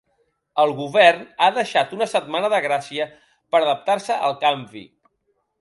El govern ha deixat una setmana de gràcia per a adaptar-se al canvi.